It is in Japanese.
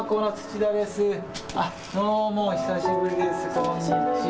こんにちは。